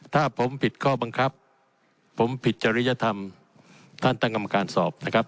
ถ้าผมผิดข้อบังคับผมผิดจริยธรรมท่านตั้งกรรมการสอบนะครับ